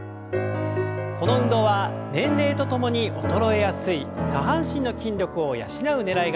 この運動は年齢とともに衰えやすい下半身の筋力を養うねらいがあります。